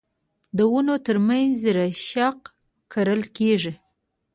د ونو ترمنځ رشقه کرل کیږي.